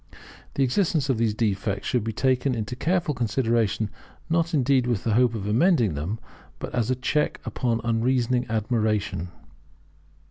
The existence of these defects should be taken into careful consideration; not indeed with the hope of amending them, but as a check upon unreasoning admiration.